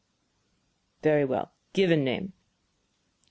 "Very well. Given name?"